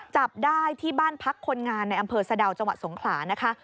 จับได้ที่บ้านพักคนงานในอำเภอสะดาวจังหวัดสงขลานะคะ